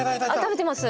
食べてます？